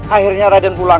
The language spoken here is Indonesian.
akhirnya raden pulang